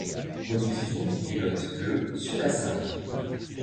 Rediffusion du pilote le sur La Cinq.